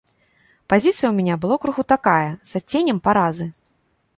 Пазіцыя ў мне была крыху такая, з адценнем паразы.